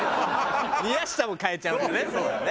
「宮下」も変えちゃうんだよね。